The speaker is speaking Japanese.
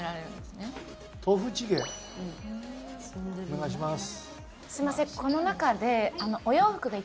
お願いします。